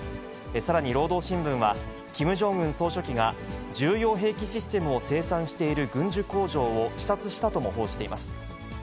さらに労働新聞は、キム・ジョンウン総書記が重要兵器システムを生産している軍需工場を視察したとも報じています。